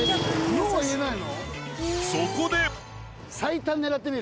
ノーは言えないの。